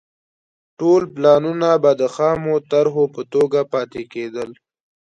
ټول پلانونه به د خامو طرحو په توګه پاتې کېدل